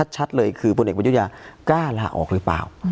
ชัดเลยคือพลเอกประยุทยากล้าลาออกหรือเปล่า